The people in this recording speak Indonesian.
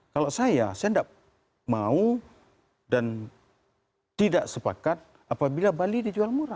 kalau saya saya tidak mau dan tidak sepakat apabila bali dijual murah